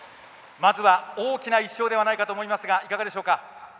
まずは、大きな１勝ではないかと思いますがいかがでしょうか？